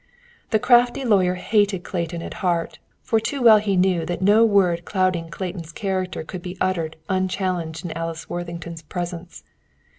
The crafty lawyer hated Clayton, at heart, for too well he knew that no word clouding Clayton's character could be uttered unchallenged in Alice Worthington's presence.